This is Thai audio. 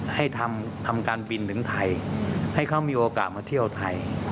ให้ทำการบินถึงไทยให้เขามีโอกาสมาเที่ยวไทย